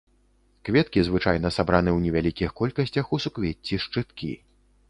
Кветкі звычайна сабраны ў невялікіх колькасцях ў суквецці-шчыткі.